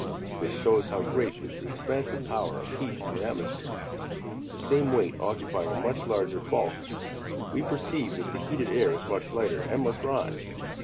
This shows how great is the expansive power of heat on the atmosphere. The same weight occupying a much larger bulk, we perceive that heated air is much lighter, and must rise.